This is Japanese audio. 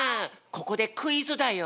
ここでクイズだよ。